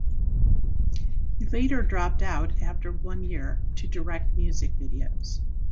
He later dropped out after one year to direct music videos.